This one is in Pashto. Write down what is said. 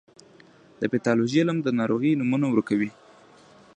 د پیتالوژي علم د ناروغیو نومونه ورکوي.